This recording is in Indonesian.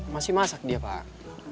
masih masak dia pak